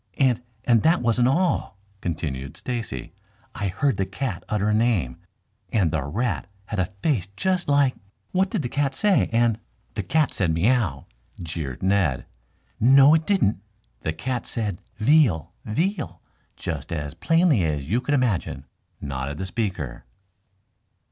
"And and that wasn't all," continued Stacy. "I heard the cat utter a name, and the rat had a face just like " "What did the cat say, and " "The cat said, 'Meow!'" jeered Ned. "No it didn't. The cat said 'Veal, Veal,' just as plainly as you could imagine," nodded the speaker.